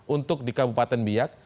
untuk di kabupaten biak